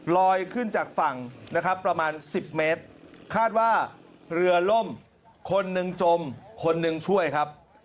ลอยขึ้นจากฝั่งนะครับประมาณ๑๐เมตรคาดว่าเรือล่มคนหนึ่งจมคนหนึ่งช่วยครับ